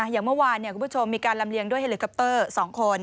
อย่างเมื่อวานคุณผู้ชมมีการลำเลียงด้วยเฮลิคอปเตอร์๒คน